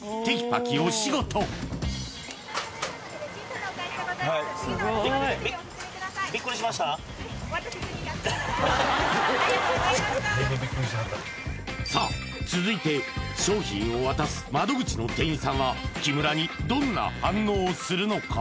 ありがとうございましたさあ続いて商品を渡す窓口の店員さんは木村にどんな反応をするのか？